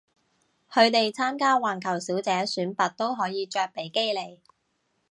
佢哋參加環球小姐選拔都可以着比基尼